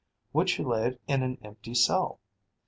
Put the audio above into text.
Would she lay it in an empty cell?